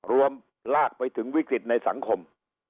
ลากไปถึงวิกฤตในสังคม